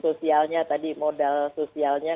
sosialnya tadi modal sosialnya